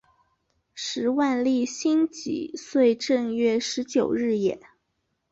时万历辛己岁正月十九日也。